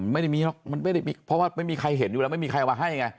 ไม่ได้มีหรอกมันไม่ได้มีเพราะว่าไม่มีใครเห็นอยู่แล้วไม่มีใครเอามาให้ไง